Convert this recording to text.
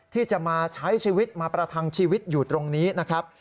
ที่จะมาใช้ชีวิตมาประทังชีวิตอยู่ตรงนี้นะครับ